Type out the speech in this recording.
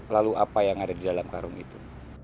lalu apa yang ada di dalam karung itu